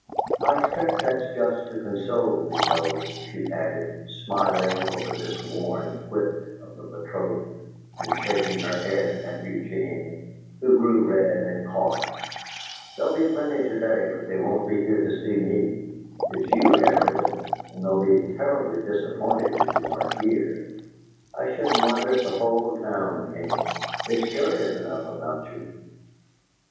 I expect that's just to console me, though," she added, smiling over this worn quip of the betrothed, and shaking her head at Eugene, who grew red and coughed. "There'll be plenty to day, but they won't be here to see me. It's you, Ariel, and they'd be terribly disappointed if you weren't here. I shouldn't wonder if the whole town came; it's curious enough about you!"